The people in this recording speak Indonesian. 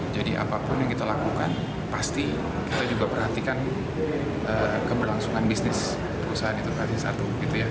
jadi apapun yang kita lakukan pasti kita juga perhatikan keberlangsungan bisnis perusahaan itu